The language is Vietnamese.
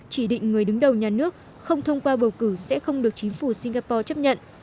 chỉ định người đứng đầu nhà nước không thông qua bầu cử sẽ không được chính phủ singapore chấp nhận